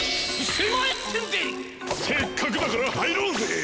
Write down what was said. せっかくだからはいろうぜ。